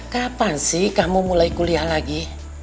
kapan sih kamu mulai kuliah lagi